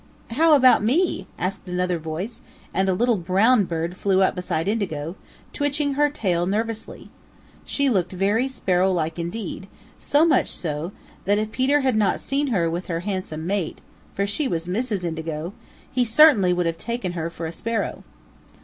"How about me?" asked another voice, and a little brown bird flew up beside Indigo, twitching her tail nervously. She looked very Sparrow like indeed, so much so, that if Peter had not seen her with her handsome mate, for she was Mrs. Indigo, he certainly would have taken her for a Sparrow.